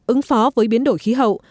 ứng phó với biến đổi khí hậu